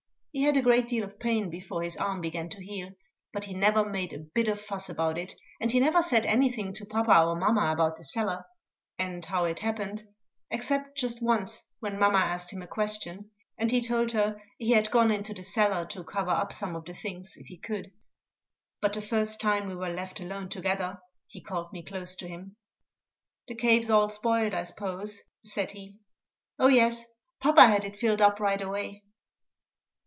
He had a great deal of pain before his arm began to heal; but he never made a bit of fuss about it, and he never said anything to papa or mamma about the cellar, and how it happened, except just once when mamma asked him a question, and he told her he had gone into the cellar to cover up some of the things if he could. But the first time we were left alone together he called me close to him. "The cave's all spoiled, I s'pose?" said he. "Oh yes. Papa had it filled up right away."